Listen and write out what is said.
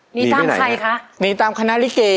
หนีตามใครคะหนีไปไหนหนีตามคณะริเกย์